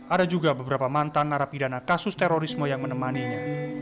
ada juga beberapa mantan narapidana kasus terorisme yang menemaninya